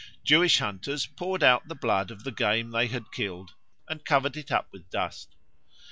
Jewish hunters poured out the blood of the game they had killed and covered it up with dust.